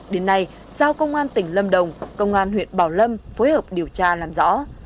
đến nay sao công an tỉnh lâm đồng công an huyện bảo lâm phối hợp điều tra làm rõ